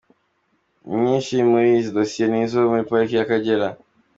Inyinshi muri izi dosiye ni izo muri Pariki y’Akagera.